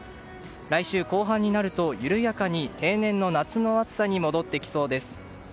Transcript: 来週後半になると緩やかに平年の夏の暑さに戻ってきそうです。